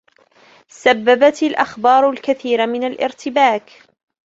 سببت الأخبار الكثير من الارتباك.